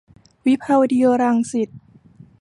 วิภาวดีรังสิต